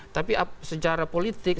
tapi secara politik